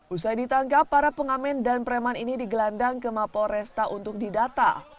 usai ditangkap para pengamen dan preman ini digelandang ke mapol resta untuk didata